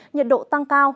nhiệt độ tăng cao